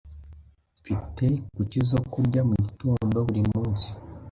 Mfite kuki zo kurya mugitondo buri munsi.